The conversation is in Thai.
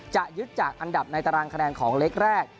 จะยึดจากอำนาบในตารางแขนงของเล็กแรก